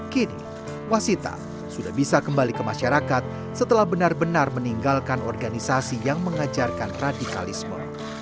kini wasita sudah bisa kembali ke masyarakat setelah benar benar meninggalkan organisasi yang mengajarkan radikalisme